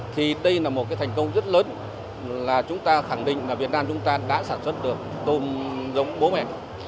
thì đây là một thành công rất lớn là chúng ta khẳng định việt nam đã sản xuất được tôm giống bố mẹ